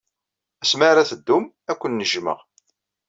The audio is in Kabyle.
Asmi ara teddum, ad ken-jjmeɣ.